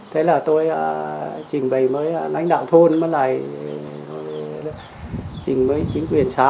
thế là tôi trình bày với lãnh đạo thôn mới lại trình với chính quyền xã